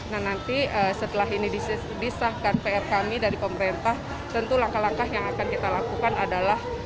nah nanti setelah ini disahkan pr kami dari pemerintah tentu langkah langkah yang akan kita lakukan adalah